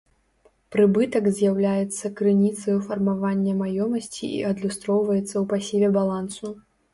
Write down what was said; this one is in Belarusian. Прыбытак з'яўляецца крыніцаю фармавання маёмасці і адлюстроўваецца ў пасіве балансу.